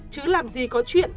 chứ làm gì có chuyện